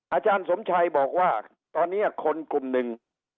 อาจารย์สมชัยบอกว่าตอนนี้คนกลุ่มหนึ่ง